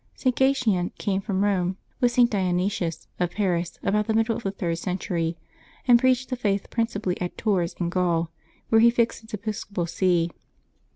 [t. Gatian came from Eome with St. Dionysius of Paris, about the middle of the third century, and preached the Faith principally at Tours in Gaul, where he fixed his episcopal see.